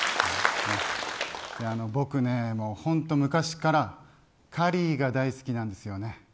僕ね、本当、昔からカリーが大好きなんですよね。